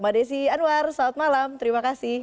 mbak desi anwar selamat malam terima kasih